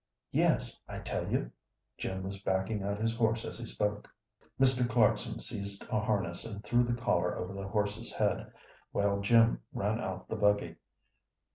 "Yes, I tell you." Jim was backing out his horse as he spoke. Mr. Clarkson seized a harness and threw the collar over the horse's head, while Jim ran out the buggy.